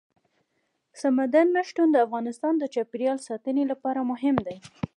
سمندر نه شتون د افغانستان د چاپیریال ساتنې لپاره مهم دي.